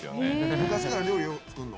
昔から料理よう作るの？